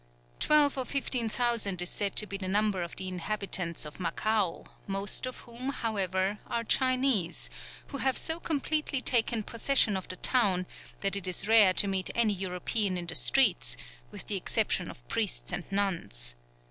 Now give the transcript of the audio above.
Twelve or fifteen thousand is said to be the number of the inhabitants of Macao, most of whom, however, are Chinese, who have so completely taken possession of the town, that it is rare to meet any European in the streets, with the exception of priests and nuns.